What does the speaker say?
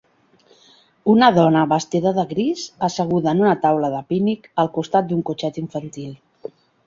Una dona vestida de gris, asseguda en una taula de pícnic al costat d'un cotxet infantil.